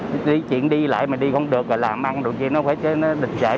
khó khăn rồi đó chuyện đi lại mà đi không được là mang đồ chiếc nó địch chạy